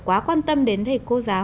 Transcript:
quá quan tâm đến thầy cô giáo